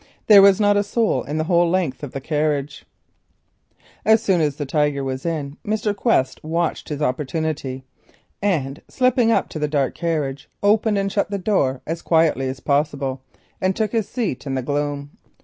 There was not a soul in the whole length of the compartment. As soon as his wife was in, Mr. Quest watched his opportunity. Slipping up to the dark carriage, he opened and shut the door as quietly as possible and took his seat in the gloom.